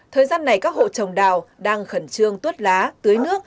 thời gian này các hộ trồng đào đang khẩn trương tuốt lá tưới nước